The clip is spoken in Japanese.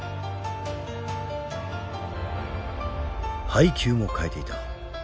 配球も変えていた。